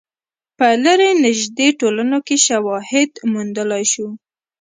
په لرې نژدې ټولنو کې شواهد موندلای شو.